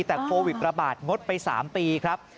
แต่โควิดระบาดงดไป๓ปีครับ